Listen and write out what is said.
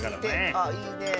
あっいいね。